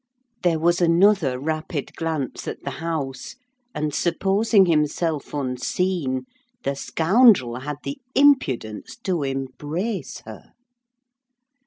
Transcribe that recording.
There was another rapid glance at the house, and supposing himself unseen, the scoundrel had the impudence to embrace her.